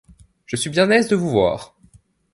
Je suis bien aise de vous voir !